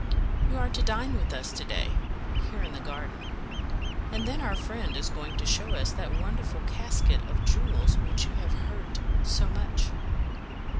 "You are to dine with us to day, here in the garden; and then our friend is going to show us that wonderful casket of jewels of which you have heard so much."